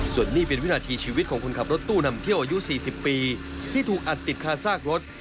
ส่วนนี้เป็นวินาทีชีวิตของคนขับรถตู้นำเที่ยวอายุ๔๐ปีที่ถูกอัดติดคาซากรถ